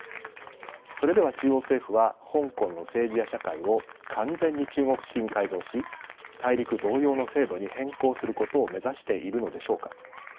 それでは中央政府は香港の政治や社会を完全に中国式に改造し大陸同様の制度に変更することを目指しているのでしょうか。